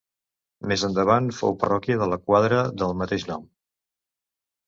Més endavant fou parròquia de la quadra del mateix nom.